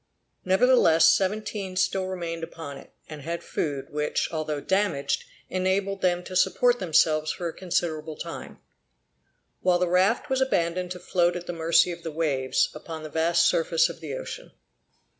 Nevertheless, seventeen still remained upon it, and had food, which, although damaged, enabled them to support themselves for a considerable time; while the raft was abandoned to float at the mercy of the waves, upon the vast surface of the ocean.